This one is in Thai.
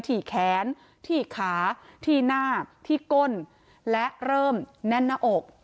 ที่แขนที่ขาที่หน้าที่ก้นและเริ่มแน่นหน้าอก